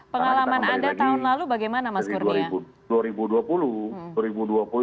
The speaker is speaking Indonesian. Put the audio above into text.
pengalaman anda tahun lalu bagaimana mas kurnia